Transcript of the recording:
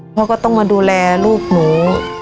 ก็ต้องมาดูแลลูกหนู